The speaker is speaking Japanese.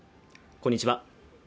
こんにちは